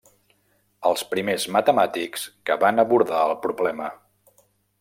Els primers matemàtics que van abordar el problema.